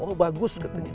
oh bagus katanya